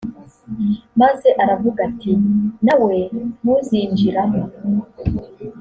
maze aravuga ati «nawe ntuzinjiramo!